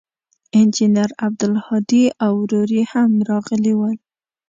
انجنیر عبدالهادي او ورور یې هم راغلي ول.